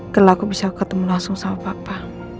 kalau aku bisa ketemu langsung sama papa